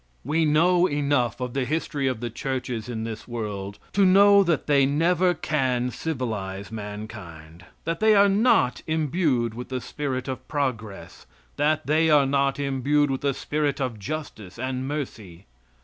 We know enough of the history of the churches in this world to know that they never can civilize mankind; that they are not imbued with the spirit of progress; that they are not imbued with the spirit of justice and mercy.